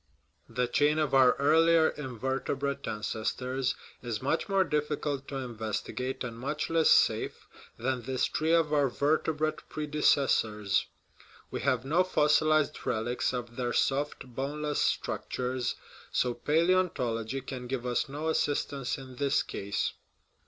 The chain of our earlier invertebrate ancestors is much more difficult to investigate and much less safe than this tree of our vertebrate predecessors ; we have no fossilized relics of their soft, boneless structures, so palaeontology can give us no assistance in this case.